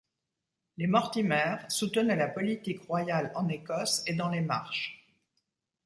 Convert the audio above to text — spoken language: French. Les Mortimer soutenaient la politique royale en Écosse et dans les Marches.